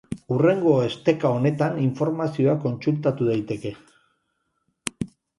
Hurrengo esteka honetan informazioa kontsultatu daiteke.